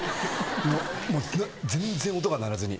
全然音が鳴らずに。